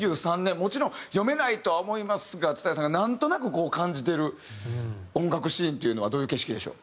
もちろん読めないとは思いますが蔦谷さんがなんとなく感じてる音楽シーンっていうのはどういう景色でしょう？